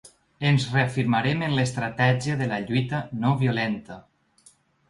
Ens reafirmem en l’estratègia de la lluita no violenta.